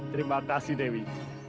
terima kasih dewi